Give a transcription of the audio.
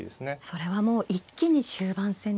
それはもう一気に終盤戦ですね。